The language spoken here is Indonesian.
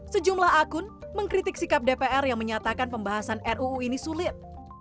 sejumlah akun mengkritik sikap dpr yang menyatakan pembahasan ruu ini sulit